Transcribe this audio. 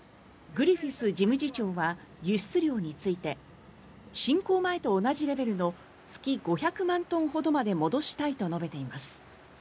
グリフィス事務次長は輸出量について侵攻前と同じレベルの月５００万トンほどまで戻したいと述べています。